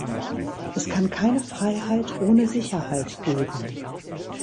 Es kann keine Freiheit ohne Sicherheit geben.